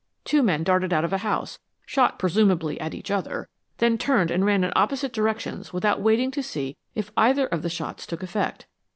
Two men darted out of a house, shot presumably at each other, then turned and ran in opposite directions without waiting to see if either of the shots took effect.